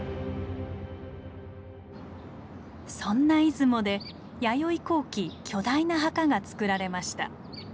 そんな出雲で弥生後期巨大な墓がつくられました。